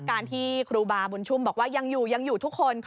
การที่ครูบาบุญชุ่มบอกว่ายังอยู่ยังอยู่ทุกคน